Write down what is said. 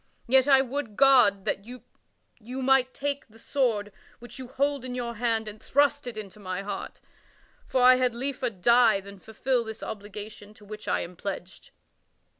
Yet I would God that you might take the sword which you hold in your hand and thrust it through my heart; for I had liefer die than fulfil this obligation to which I am pledged."